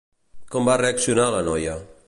Com va reaccionar la noia?